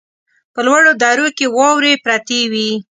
په لوړو درو کې واورې پرتې وې.